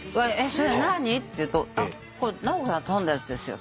それ何？って言うと「これナオコさんが頼んだやつですよ」